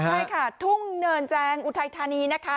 ใช่ค่ะทุ่งเนินแจงอุทัยธานีนะคะ